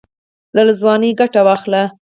له ځوانۍ ګټه واخلئ